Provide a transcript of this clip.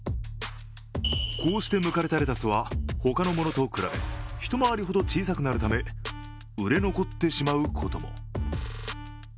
こうしてむかれたレタスは他のものと比べ、一回りほど小さくなるため売れ残ってしまうことも。